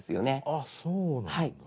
あっそうなんだ。